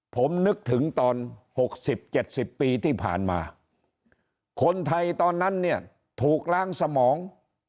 ผมนึกถึงตอน๖๐๗๐ปีที่ผ่านมาคนไทยตอนนั้นเนี่ยถูกล้างสมอง